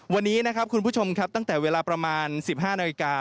วันนี้คุณผู้ชมตั้งแต่เวลาประมาณ๑๕นาฬิกา